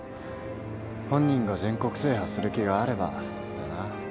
本人が全国制覇する気があればだな。